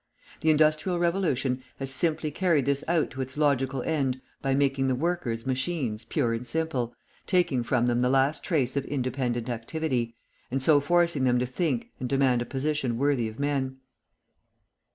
The industrial revolution has simply carried this out to its logical end by making the workers machines pure and simple, taking from them the last trace of independent activity, and so forcing them to think and demand a position worthy of men.